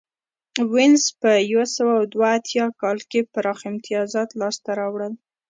وینز په یو سوه دوه اتیا کال کې پراخ امتیازات لاسته راوړل